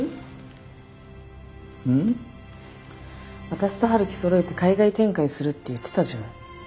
私と陽樹そろえて海外展開するって言ってたじゃない。